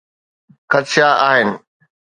خدشا آهن.